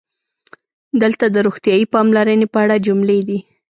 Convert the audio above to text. دلته د "روغتیايي پاملرنې" په اړه جملې دي: